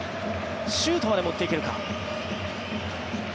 シュートまで持っていけるか。